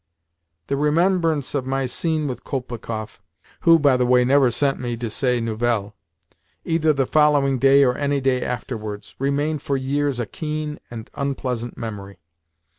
The remembrance of my scene with Kolpikoff who, by the way, never sent me "de ses nouvelles," either the following day or any day afterwards remained for years a keen and unpleasant memory.